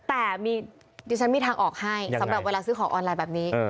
แต่ดิฉันมีทางออกให้สำหรับเวลาซื้อของออนไลน์แบบนี้